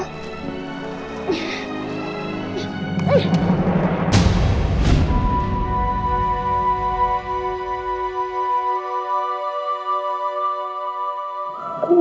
aku mau pulih ngerah